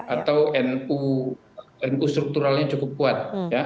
atau nu strukturalnya cukup kuat